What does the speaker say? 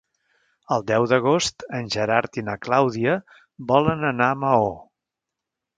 El deu d'agost en Gerard i na Clàudia volen anar a Maó.